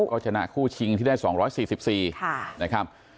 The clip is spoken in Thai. ก็ชนะคู่ชิงที่ได้๒๔๔นะครับ